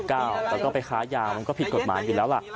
แล้วก็ไปค้ายามันก็ผิดกฎหมายอยู่แล้วล่ะ